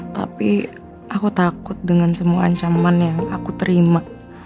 tapi aku takut dengan semua ancaman yang aku terima